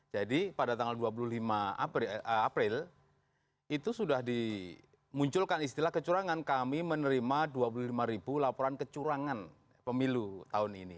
jadi pada tanggal dua puluh lima april itu sudah dimunculkan istilah kecurangan kami menerima dua puluh lima ribu laporan kecurangan pemilu tahun ini